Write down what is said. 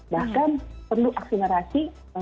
bahkan perlu aksinerasi